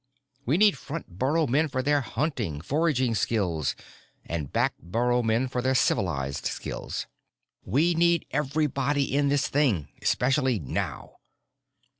We need front burrow men for their hunting, foraging skills and back burrow men for their civilized skills. We need everybody in this thing, especially now."